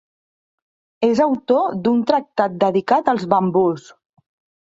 És autor d'un tractat dedicat als bambús.